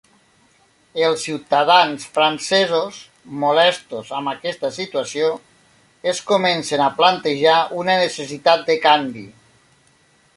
Els ciutadans francesos, molestos amb aquesta situació, es comencen a plantejar una necessitat de canvi.